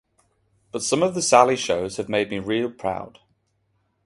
But some of the "Sally" shows have made me real proud.